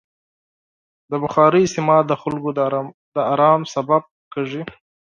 د بخارۍ استعمال د خلکو د ارام سبب کېږي.